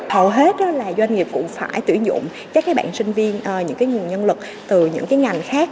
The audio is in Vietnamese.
hầu hết là doanh nghiệp cũng phải tuyển dụng các bạn sinh viên những nguồn nhân lực từ những ngành khác